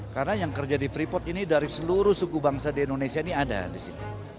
karena yang kerja di freeport ini dari seluruh suku bangsa di indonesia ini ada di sini